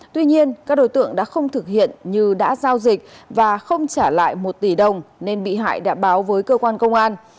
tuy nhiên các đối tượng đã không thực hiện như đã giao dịch và không trả lại một tỷ đồng nên bị hại đã báo với cơ quan công an